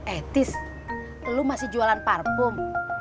etis lu masih jualan parfum